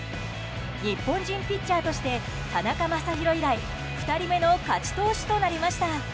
日本人ピッチャーとして田中将大以来２人目の勝ち投手となりました。